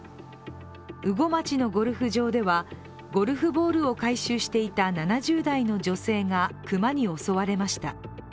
羽後町のゴルフ場ではゴルフボールを回収していた７０代の女性が熊に襲われました。